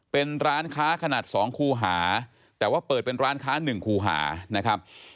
เป็นร้านค้าขนาด๒คูหาแต่ว่าเปิดเป็นร้านค้า๑คูหานะครับ